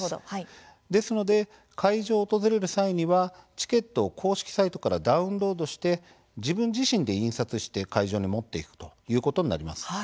ですので会場を訪れる際にはチケットを公式サイトからダウンロードして自分自身で印刷して会場に持っていくということになります。